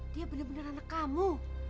dia bener bener anak kamu